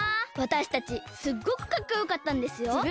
わたしたちすっごくかっこよかったんですよ。